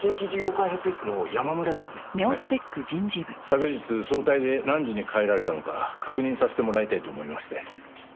昨日早退で何時に帰られたのか確認させてもらいたいと思いまして。